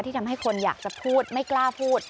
ทำให้คนอยากจะพูดไม่กล้าพูด